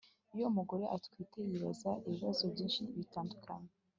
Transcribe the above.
iyo umugore atwite yibaza ibibazo byinshi bitandukanye